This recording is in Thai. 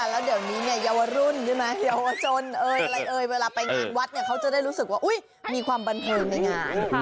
เวลาไปงานวัดเนี่ยเขาจะได้รู้สึกว่าวู้ยมีความบันเทิงในงาน